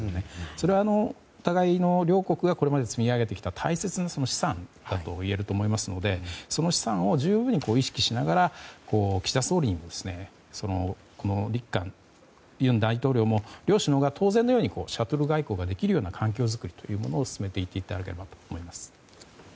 それは互いの両国がこれまで積み上げてきた大切な資産だと思いますのでその資産を十分に意識しながら岸田総理にも日韓尹大統領も両首脳が当然のようにシャトル外交ができるような環境作りを進めていっていただきたいなと思います。